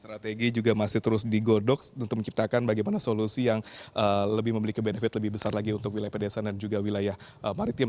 strategi juga masih terus digodok untuk menciptakan bagaimana solusi yang lebih memiliki benefit lebih besar lagi untuk wilayah pedesaan dan juga wilayah maritim